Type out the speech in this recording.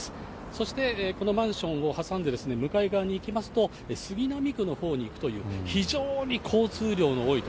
そしてこのマンションを挟んで向かい側に行きますと、杉並区のほうに行くという、非常に交通量の多い所。